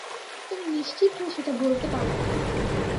তুমি নিশ্চিত হয়ে সেটা বলতে পারো না।